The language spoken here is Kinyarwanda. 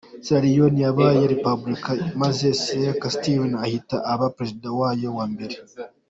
Sierra Leone yabaye Repubulika maze Siaka Stevens ahita aba perezida wayo wa mbere.